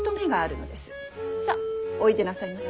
さあおいでなさいませ。